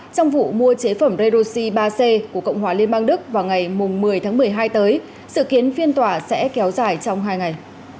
trong vụ mua chế phẩm redoxi ba c của cộng hòa liên bang đức vào ngày một mươi tháng một mươi hai tới sự kiến phiên tòa sẽ kéo dài trong hai ngày